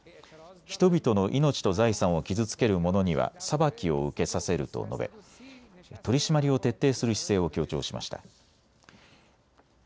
人々の命と財産を傷つける者には裁きを受けさせると述べ取締りを徹底する姿勢を強調しました。